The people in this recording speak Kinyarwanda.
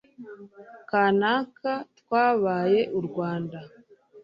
kanaka, twabaye u rwanda